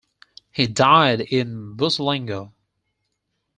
He died in Bussolengo.